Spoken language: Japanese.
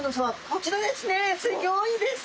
こちらですねす